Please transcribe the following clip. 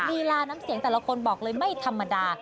ลีลาน้ำเสียงแต่ละคนบอกเลยไม่ธรรมดา